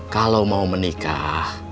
kalau mau menikah